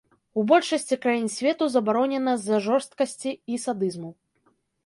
У большасці краін свету забаронена з-за жорсткасці і садызму.